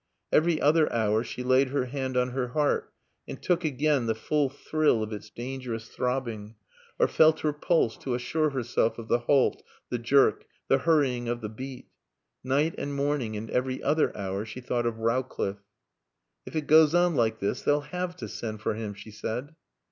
Every other hour she laid her hand on her heart and took again the full thrill of its dangerous throbbing, or felt her pulse to assure herself of the halt, the jerk, the hurrying of the beat. Night and morning and every other hour she thought of Rowcliffe. "If it goes on like this, they'll have to send for him," she said.